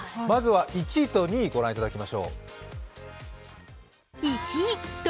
まずは、１位と２位、御覧いただきましょう。